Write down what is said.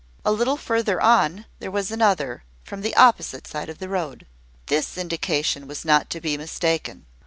A little further on, there was another, from the opposite side of the road. This indication was not to be mistaken.